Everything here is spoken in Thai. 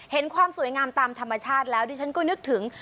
ความสวยงามตามธรรมชาติแล้วดิฉันก็นึกถึง